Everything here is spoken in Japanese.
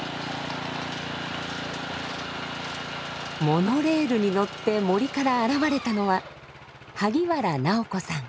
モノレールに乗って森から現れたのは萩原尚子さん。